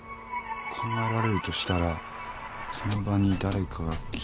考えられるとしたらその場に誰かが来た。